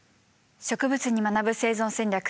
「植物に学ぶ生存戦略」。